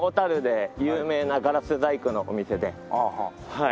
はい。